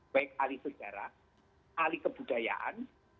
baik ahli sejarah ahli kebudayaan